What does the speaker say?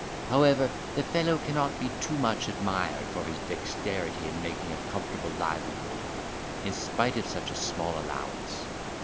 However, the fellow cannot be too much admired for his dexterity in making a comfortable livelihood, in spite of such a small allowance.